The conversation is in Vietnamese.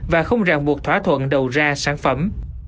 và không ràng buộc thỏa thuận đầu ra sản phẩm